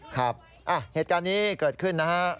ครับเหตุการณ์นี้เกิดขึ้นนะฮะ